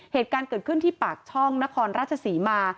เหตุการณ์เกิดขึ้นที่ปากช่องนครราชศรีมา